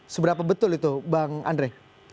seberapa betul itu bang andre